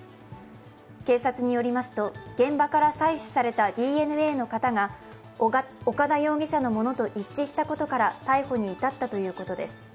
警察によりますと、現場から採取されたＤＮＡの型が岡田容疑者のものと一致したことから逮捕に至ったということです。